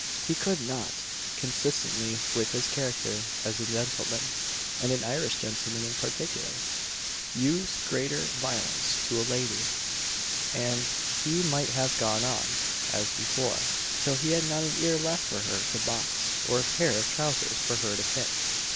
He could not, consistently with his character as a gentleman, and an Irish gentleman in particular, use greater violence to a lady; and he might have gone on, as before, till he had not an ear left for her to box, or a pair of trowsers for her to kick.